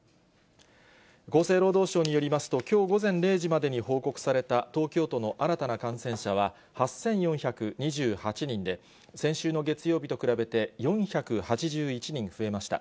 厚生労働省によりますと、きょう午前０時までに報告された東京都の新たな感染者は、８４２８人で、先週の月曜日と比べて４８１人増えました。